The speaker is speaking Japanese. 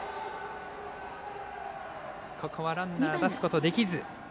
ここはランナー出すことができず。